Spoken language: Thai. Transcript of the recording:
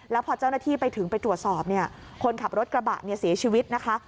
แล้วพอเจ้าหน้าที่ไปถึงไปตรวจสอบเนี่ยคนขับรถกระบะเนี่ยเสียชีวิตนะคะ